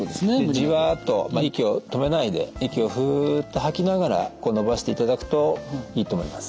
じわっと息を止めないで息をふっと吐きながら伸ばしていただくといいと思います。